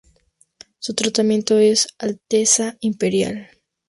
Su tratamiento es Alteza Imperial.